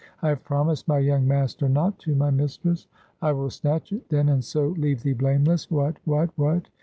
"I have promised my young master not to, my mistress." "I will snatch it, then, and so leave thee blameless. What? what?